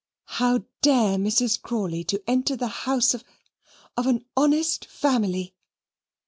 "How dare Mrs. Crawley to enter the house of of an honest family?"